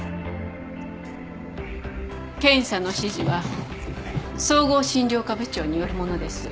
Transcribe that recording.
検査の指示は総合診療科部長によるものです。